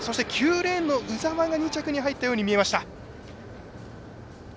９レーンの鵜澤が２着に入ったように見えました。